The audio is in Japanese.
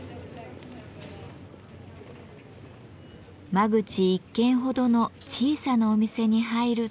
間口一間ほどの小さなお店に入ると。